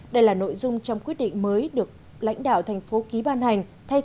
đây là nội dung trong quyết định mới được lãnh đạo thành phố ký ban hành